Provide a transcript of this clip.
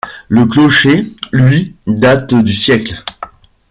Le clocher, lui, date du siècle.